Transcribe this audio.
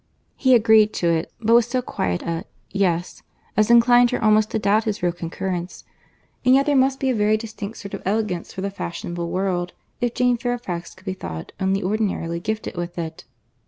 He agreed to it, but with so quiet a "Yes," as inclined her almost to doubt his real concurrence; and yet there must be a very distinct sort of elegance for the fashionable world, if Jane Fairfax could be thought only ordinarily gifted with it.